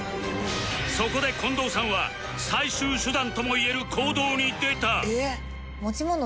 そこで近藤さんは最終手段ともいえる行動に出た